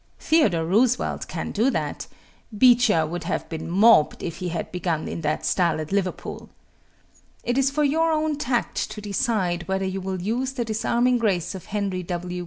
Theodore Roosevelt can do that Beecher would have been mobbed if he had begun in that style at Liverpool. It is for your own tact to decide whether you will use the disarming grace of Henry W.